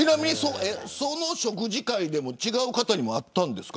その食事会でも違う方に会ったんですか。